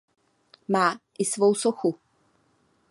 Má i svou sochu.